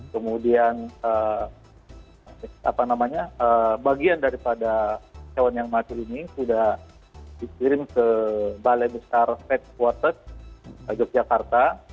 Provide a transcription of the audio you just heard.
kemudian bagian daripada hewan yang mati ini sudah dikirim ke balai besar fed quartet yogyakarta